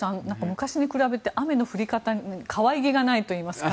昔に比べて雨の降り方に可愛げがないといいますか。